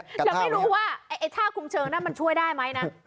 จะไม่รู้ว่าไอ้ท่าคุมเชิงนั้นมันช่วยได้ไหมนะ